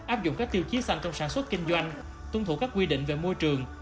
áp dụng các tiêu chí xanh trong sản xuất kinh doanh tuân thủ các quy định về môi trường